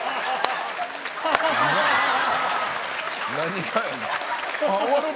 何がやねん。